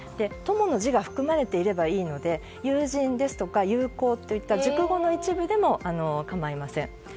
友の字が含まれていればいいので友人ですとか友好といった熟語の一部でも構いません。